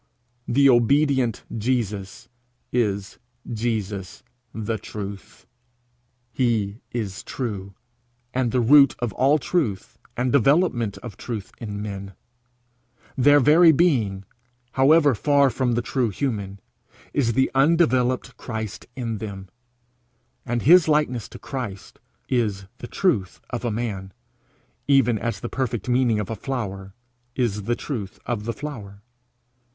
The obedient Jesus is Jesus the Truth. He is true and the root of all truth and development of truth in men. Their very being, however far from the true human, is the undeveloped Christ in them, and his likeness to Christ is the truth of a man, even as the perfect meaning of a flower is the truth of a flower.